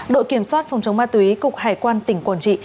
đội kiểm soát phòng chống ma túy cục hải quan tỉnh quảng trị